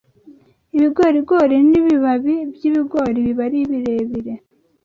Ibigorigori n’ ibibabi by’ibigori biba ari birebire